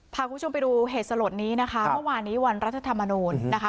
พาคุณผู้ชมไปดูเหตุสลดนี้นะคะเมื่อวานนี้วันรัฐธรรมนูญนะคะ